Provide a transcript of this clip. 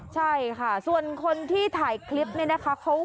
ใช่ค่ะส่วนคนที่ถ่ายคลิปเนี่ยนะคะ